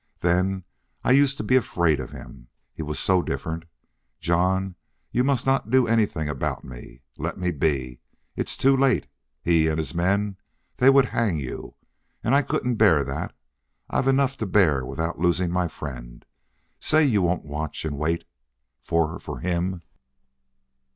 "Then I used to be afraid of him. He was so different. John, you must not do anything about me. Let me be. It's too late. He and his men they would hang you. And I couldn't bear that. I've enough to bear without losing my friend. Say you won't watch and wait for for him."